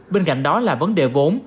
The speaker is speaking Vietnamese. bên cạnh đó là vấn đề vốn